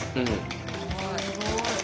すごい。